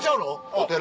お寺。